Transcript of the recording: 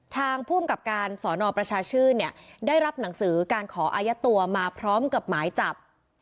ทางภูมิกับการสอนอประชาชื่นเนี่ยได้รับหนังสือการขออายัดตัวมาพร้อมกับหมายจับ